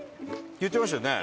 言ってましたよね。